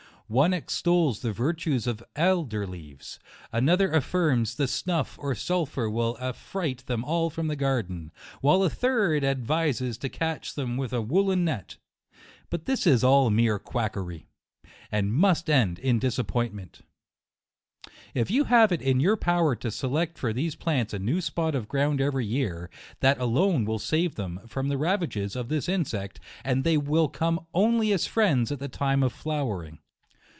One extols the virtues of el der leaves, another affirms that snuff or sul phur will affright them all from the garden, while a third advises to catch them with a woollen net. But this is all mere quackery, and mu8t end in disappointment. If you JUNE* 127 have it in your power to select for these plants a new spot of ground every year, that alone will save them from the ravages of this insect, and they will come only as friends at the time of flowering.